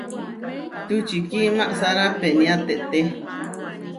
Tučikí maʼsára peniáteʼte.